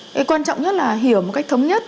cái quan trọng nhất là hiểu một cách thống nhất